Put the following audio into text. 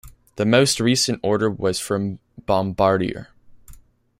The most recent order was from Bombardier.